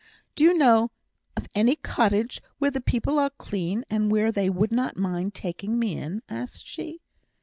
"Do you know of any cottage where the people are clean, and where they would not mind taking me in?" asked she.